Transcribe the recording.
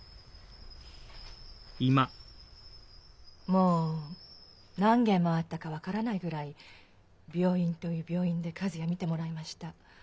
もう何軒回ったか分からないぐらい病院という病院で和也診てもらいました。